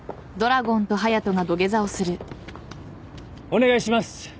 お願いします。